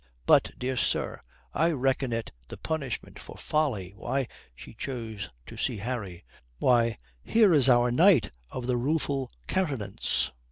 But, dear sir, I reckon it the punishment for folly. Why," she chose to see Harry "why, here is our knight of the rueful countenance!"